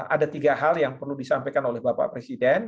ada tiga hal yang perlu disampaikan oleh bapak presiden